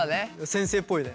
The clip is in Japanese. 先生っぽいね。